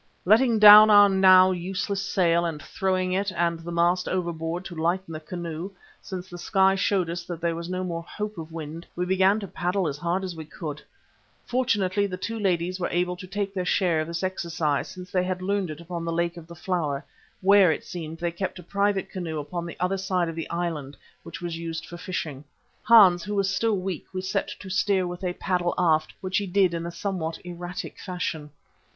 Letting down our now useless sail and throwing it and the mast overboard to lighten the canoe, since the sky showed us that there was no more hope of wind, we began to paddle as hard as we could. Fortunately the two ladies were able to take their share in this exercise, since they had learned it upon the Lake of the Flower, where it seemed they kept a private canoe upon the other side of the island which was used for fishing. Hans, who was still weak, we set to steer with a paddle aft, which he did in a somewhat erratic fashion.